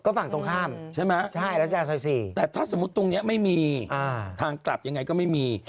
ฝั่งตรงข้ามใช่ไหมใช่แล้วแต่ถ้าสมมุติตรงนี้ไม่มีทางกลับยังไงก็ไม่มี